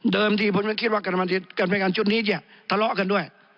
เดิมที่คนมันคิดว่าการบริการชุดนี้เจ๋ยทะเลาะกันด้วย